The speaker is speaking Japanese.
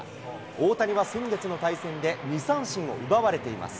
大谷は先月の対戦で、２三振を奪われています。